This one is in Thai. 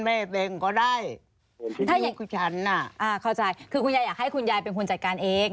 แม่เบงก็ได้อ่าเข้าใจคือคุณยายอยากให้คุณยายเป็นคุณจัดการเอง